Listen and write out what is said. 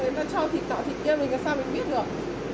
người ta cho thịt tọa thịt kêu mình là sao mình biết được